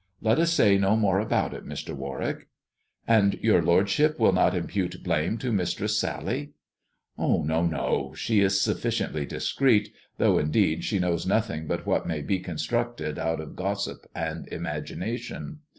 Let us say no more about it, Mr. Warwick." "And your lordship will not impute blame to Mistress SaUy." " No, no ! She is sufficiently discreet, though, indeed, she knows nothing but what may be constructed out of gossip and imagination.